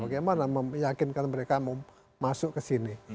bagaimana meyakinkan mereka mau masuk ke sini